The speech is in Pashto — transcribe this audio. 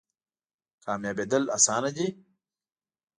کامیابیدل اسانه دی؟